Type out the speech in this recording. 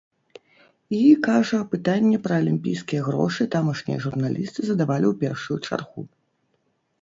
І, кажа, пытанне пра алімпійскія грошы тамашнія журналісты задавалі ў першую чаргу.